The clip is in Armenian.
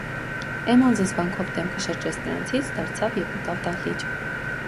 Էմման զզվանքով դեմքը շրջեց նրանցից, դարձավ և մտավ դահլիճ: